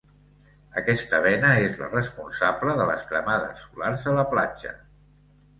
Aquesta bena és la responsable de les cremades solars a la platja.